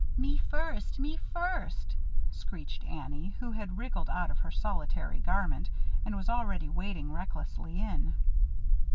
"Me first! Me first!" shrieked Annie, who had wriggled out of her solitary garment, and was already wading recklessly in.